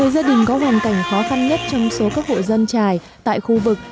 một mươi gia đình có hoàn cảnh khó khăn nhất trong số các hộ dân trài tại khu vực